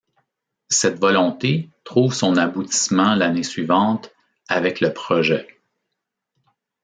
Cette volonté trouve son aboutissement l'année suivante avec le projet '.